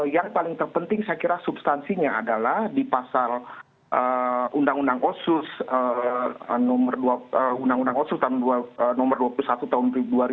yang paling terpenting saya kira substansinya adalah di pasal undang undang osus no dua puluh satu tahun dua ribu dua puluh satu